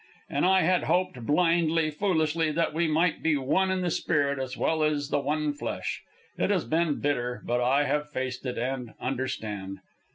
And I had hoped, blindly, foolishly, that we might be one in the spirit as well as the one flesh. It has been bitter, but I have faced it, and understand.